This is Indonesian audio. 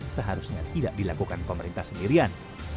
seharusnya tidak dilakukan pemerintah sendirian